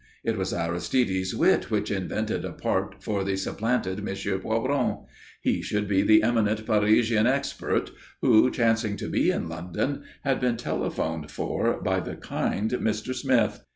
It was Aristide's wit which invented a part for the supplanted M. Poiron. He should be the eminent Parisian expert who, chancing to be in London, had been telephoned for by the kind Mr. Smith.